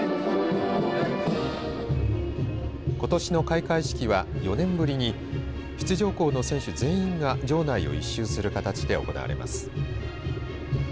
ことしの開会式は、４年ぶりに出場校の選手全員が場内を１周する形で行われます。